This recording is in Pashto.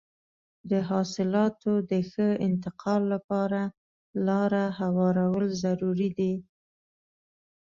د حاصلاتو د ښه انتقال لپاره لاره هوارول ضروري دي.